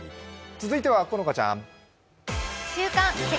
続いては好花ちゃん。